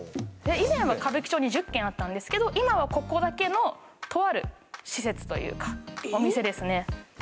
以前は歌舞伎町に１０軒あったんですけど今はここだけのとある施設というかお店ですね